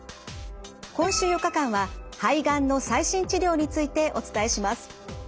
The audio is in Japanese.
今週４日間は肺がんの最新治療についてお伝えします。